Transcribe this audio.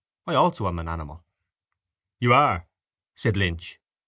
I also am an animal. —You are, said Lynch.